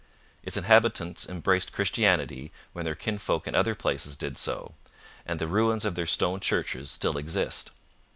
Its inhabitants embraced Christianity when their kinsfolk in other places did so, and the ruins of their stone churches still exist.